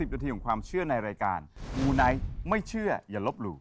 นาทีของความเชื่อในรายการมูไนท์ไม่เชื่ออย่าลบหลู่